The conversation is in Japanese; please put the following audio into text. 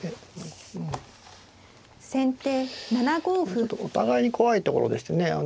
ちょっとお互いに怖いところですね。